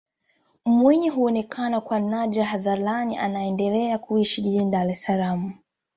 Mwinyi huonekana kwa nadra hadharani na anaendelea kuishi jijini Dar es Salaam